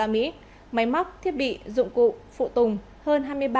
máy móc thiết bị dụng cụ phụ tùng hơn hai mươi bảy bảy tỷ usd